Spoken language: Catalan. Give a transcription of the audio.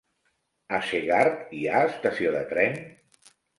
A Segart hi ha estació de tren?